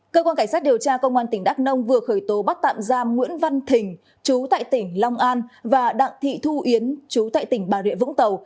cơ quan cảnh sát điều tra công an tỉnh đắk nông vừa khởi tố bắt tạm giam nguyễn văn thình chú tại tỉnh long an và đặng thị thu yến chú tại tỉnh bà rịa vũng tàu